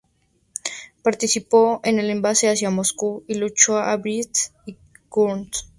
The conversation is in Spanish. Participó en el avance hacia Moscú y luchó en Briansk y Kursk.